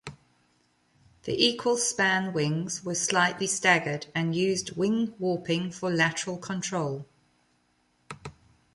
The equal-span wings were slightly staggered and used wing warping for lateral control.